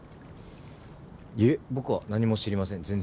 いえ僕は何も知りません。